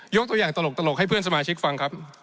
ตัวอย่างตลกให้เพื่อนสมาชิกฟังครับ